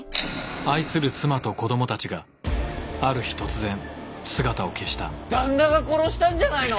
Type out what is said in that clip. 愛する妻と子供たちがある日突然姿を消した旦那が殺したんじゃないの？